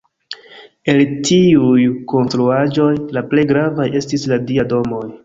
El tiuj konstruaĵoj, la plej gravaj estis la dia domoj.